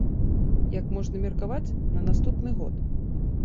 Як можна меркаваць, на наступны год.